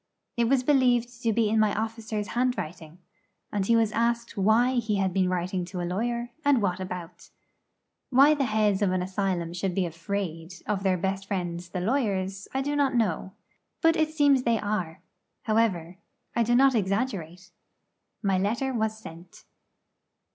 It was believed to be in my officer's handwriting; and he was asked why he had been writing to a lawyer, and what about. Why the heads of an asylum should be afraid of their best friends the lawyers, I do not know. But it seems they are. However, I do not exaggerate. My letter was sent.